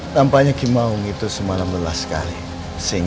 tampaknya kimahung itu semalam lelah sekali